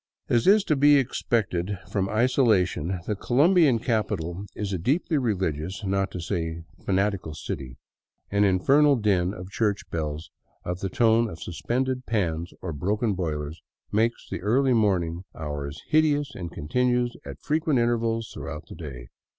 As is to be expected from its isolation, the Colombian capital is a deeply religious, not to say a fanatical, city. An infernal din of church bells of the tone of suspended pans or broken boilers makes the early morning hours hideous and continues at frequent intervals throughout the day.